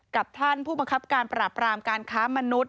กับท่านผู้บังคับการปราบรามการค้ามนุษย